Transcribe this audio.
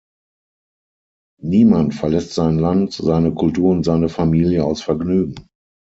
Niemand verlässt sein Land, seine Kultur und seine Familie aus Vergnügen.